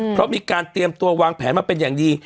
เพราะมีการเตรียมตัววางแผนมาเป็นอย่างดี